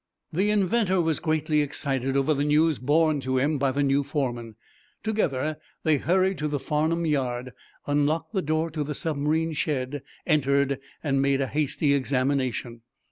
The inventor was greatly excited over the news borne to him by the new foreman. Together they hurried to the Farnum yard, unlocked the door to the submarine's shed, entered and made a hasty examination.